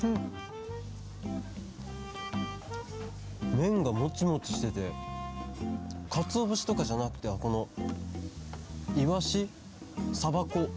めんがもちもちしててかつおぶしとかじゃなくてこのいわしさばこ。